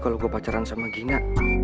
kalau gue pacaran sama gina